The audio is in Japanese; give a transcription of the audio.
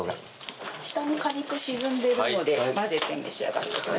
下に果肉沈んでるので混ぜて召し上がって。